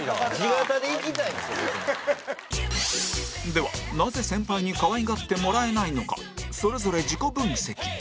ではなぜ先輩に可愛がってもらえないのかそれぞれ自己分析